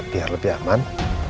biar lebih aman